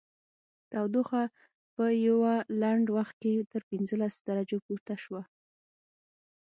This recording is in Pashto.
تودوخه په یوه لنډ وخت کې تر پنځلس درجو پورته شوه